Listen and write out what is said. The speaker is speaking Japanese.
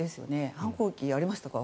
反抗期、ありましたか？